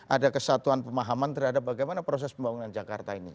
ada kesatuan pemahaman terhadap bagaimana proses pembangunan jakarta ini